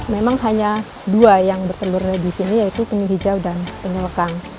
memang hanya dua yang bertelur di sini yaitu penyu hijau dan telur kang